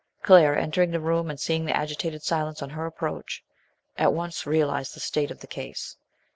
Claire, entering the room and seeing the agitated silence on her approach, at once realised the state of the case.